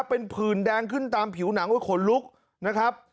เป็นผื่นแดงขึ้นตามผิวหนังไว้ขนลุกนะครับ